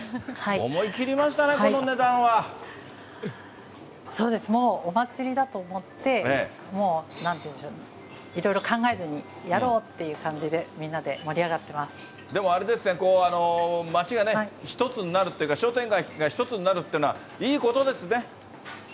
思い切りましたね、そうです、もうお祭りだと思って、もう、なんていうんでしょう、いろいろ考えずにやろうっていう感じで、みんなで盛り上がってまでもあれですね、街がね、一つになるっていうか、商店街が一つになっていうのは、いいことですね。